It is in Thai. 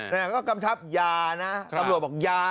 นี่แหละครับ